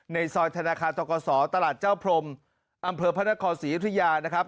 ในซอยธนาคารตกศตลาดเจ้าพรมอำเภอพระนครศรียุธยานะครับ